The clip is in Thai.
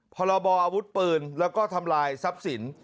พรบออาวุธปืนแล้วก็ทำลายทรัพย์สิน